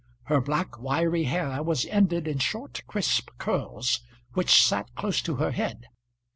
Her black wiry hair was ended in short crisp curls, which sat close to her head.